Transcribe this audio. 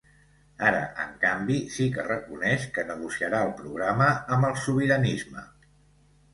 Ara, en canvi, sí que reconeix que negociarà el programa amb el sobiranisme.